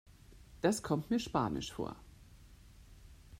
Das kommt mir spanisch vor.